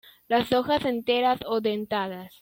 Las hojas enteras o dentadas.